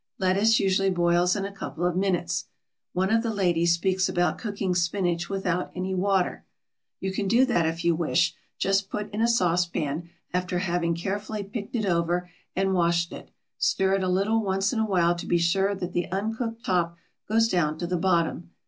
Lettuce usually boils in a couple of minutes. One of the ladies speaks about cooking spinach without any water. You can do that if you wish. Just put in a sauce pan, after having carefully picked it over and washed it; stir it a little once in a while to be sure that the uncooked top goes down to the bottom.